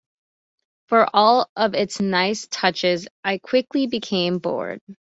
For all of its nice touches, I quickly became bored.